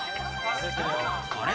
あれ？